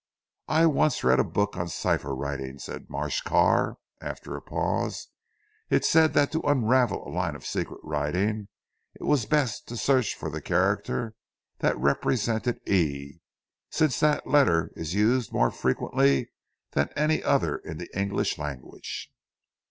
"I once read a book on cipher writing," said Marsh Carr after a pause, "it said that to unravel a line of secret writing, it was best to search for the character that represented 'E,' since that letter is used more frequently than any other in the English language."